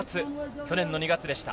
去年の２月でした。